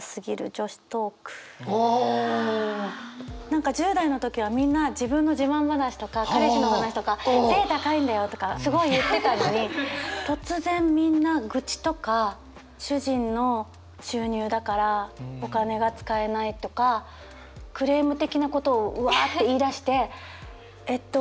何か１０代の時はみんな自分の自慢話とか彼氏の話とか背高いんだよとかすごい言ってたのに突然みんな愚痴とか主人の収入だからお金が使えないとかクレーム的なことをうわって言いだしてえっと